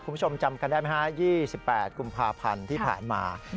คุณผู้ชมจำกันได้ไหมฮะ๒๘กุมภาพันธ์ที่ผ่านมา